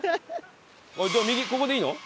右ここでいいの？